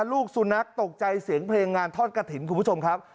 ลูกสุนัขตกใจเสียงเพลงงานทอดกระถิ่นคุณผู้ชมครับ